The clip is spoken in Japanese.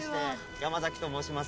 山崎と申します。